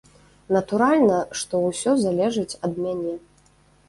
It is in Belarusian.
Натуральна, што ўсё залежыць ад мяне.